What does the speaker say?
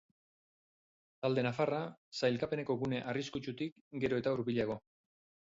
Talde nafarra, sailkapeneko gune arriskutsutik gero eta hurbilago.